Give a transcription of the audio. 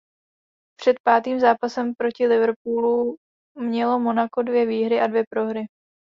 Před pátým zápasem proti Liverpoolu mělo Monako dvě výhry a dvě prohry.